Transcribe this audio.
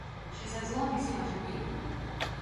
შესაძლოა მისი ვაჟები იყვნენ.